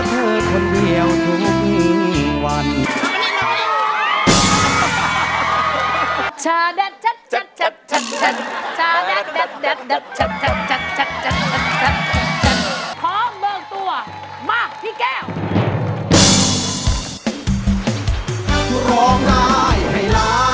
โปรดติดตามตอนต่อไป